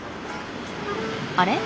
あれ？